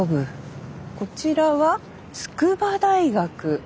こちらは筑波大学。